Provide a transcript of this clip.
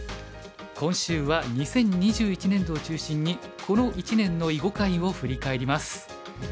今週は２０２１年度を中心にこの一年の囲碁界を振り返ります。